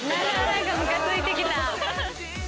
ムカついてきた。